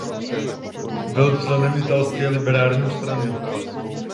Byl členem Italské liberální strany.